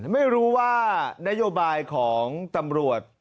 ไม่รู้ว่านโยบายของตำรวจ